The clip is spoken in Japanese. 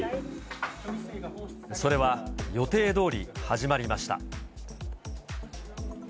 それは予定どおり始まりまし